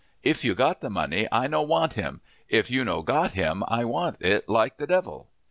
"If you got the money, I no want him; but if you no got him, I want it like the devil!"